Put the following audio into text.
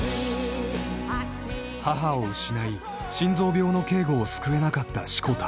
母を失い、心臓病の圭吾を救えなかった志子田。